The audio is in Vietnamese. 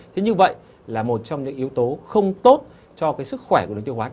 thế như vậy là một trong những yếu tố không tốt cho sức khỏe của đồng tiêu hóa